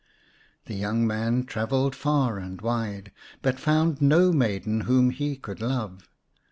The young man travelled far and wide, but found no maiden whom he could love.